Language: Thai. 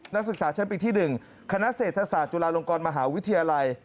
นักศึกษาชั้นปีที่๑คณะเศรษฐศาสตร์จุฬาลงกรมหาวิทยาลัย